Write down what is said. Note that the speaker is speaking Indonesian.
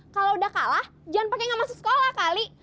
kalo udah kalah jangan pake gak masuk sekolah kali